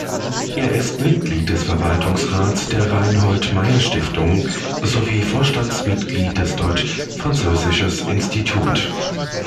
Er ist Mitglied des Verwaltungsrats der Reinhold-Maier-Stiftung sowie Vorstandsmitglied des Deutsch-Französisches Institut.